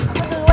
aku duluan ya